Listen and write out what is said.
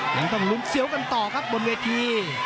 ยังต้องลุ้นเสียวกันต่อครับบนเวที